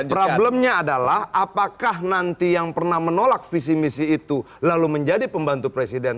problemnya adalah apakah nanti yang pernah menolak visi misi itu lalu menjadi pembantu presiden